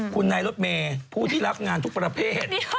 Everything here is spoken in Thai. คุณนายรถเมย์ผู้ที่รับงานทุกประเภท